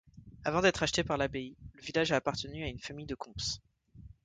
Avant d'être acheté par l'Abbaye, le village a appartenu à une famille de Comps.